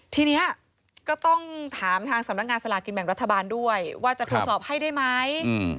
ทีนี้ก็ต้องถามทางสำนักงานสลากินแบ่งรัฐบาลด้วยว่าจะตรวจสอบให้ได้ไหม